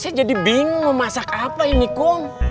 saya jadi bingung mau masak apa ini kok